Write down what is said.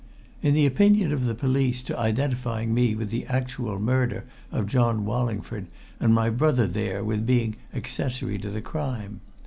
In the opinion of the police to identifying me with the actual murder of John Wallingford, and my brother there with being accessory to the crime.